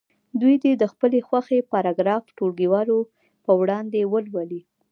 دوی دې د خپلې خوښې پاراګراف ټولګیوالو په وړاندې ولولي.